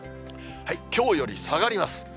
きょうより下がります。